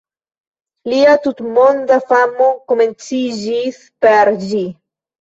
Lia tutmonda famo komenciĝis per ĝi.